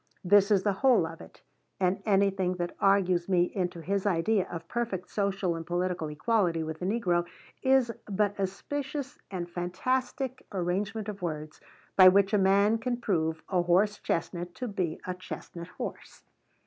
This is the whole of it; and anything that argues me into his idea of perfect social and political equality with the negro is but a specious and fantastic arrangement of words, by which a man can prove a horse chestnut to be a chestnut horse.